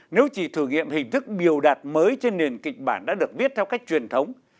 nếu chỉ thử nghiệm hình thức biểu đạt mới trên nền kịch bản đã được viết theo cách truyền thống